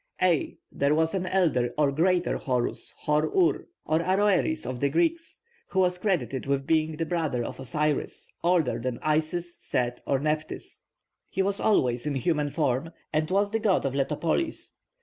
(A) There was an elder or greater Horus, Hor ur (or Aroeris of the Greeks) who was credited with being the brother of Osiris, older than Isis, Set, or Nephthys. He was always in human form, and was the god of Letopolis.